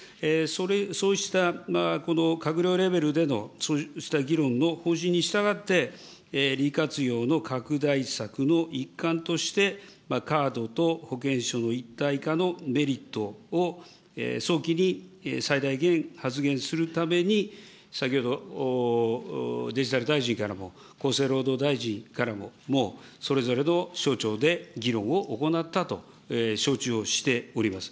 そうした閣僚レベルでのそうした議論の方針に従って、利活用の拡大策の一環として、カードと保険証の一体化のメリットを早期に最大限発現するために、先ほど、デジタル大臣からも、厚生労働大臣からも、それぞれの省庁で議論を行ったと承知をしております。